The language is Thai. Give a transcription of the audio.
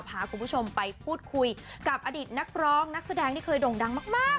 พาคุณผู้ชมไปพูดคุยกับอดีตนักร้องนักแสดงที่เคยด่งดังมาก